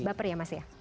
baper ya mas ya